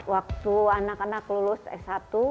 waktu anak anak lulus s satu